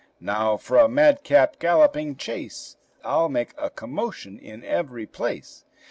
Now for a madcap galloping chase! I'll make a commotion in every place!"